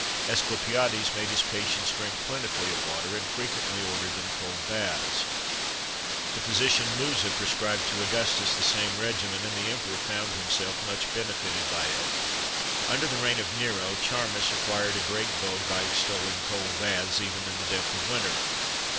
[XXV 39] Asclepiades made his patients drink plentifully of water, and frequently ordered them cold baths.[XXV 40] [Illustration: Pl. 17.] The physician, Musa, prescribed to Augustus the same regimen, and the Emperor found himself much benefited by it.[XXV 41] Under the reign of Nero, Charmis acquired a great vogue by extolling cold baths,[XXV 42] even in the depth of winter.